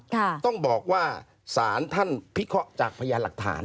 ต้องบอกว่าสารท่านพิเคราะห์จากพยานหลักฐาน